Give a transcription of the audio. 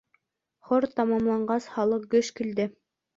Хор тамамланғас, халыҡ гөж килде.